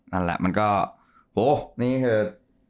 นั่นแหละมันก็โหนี่คือ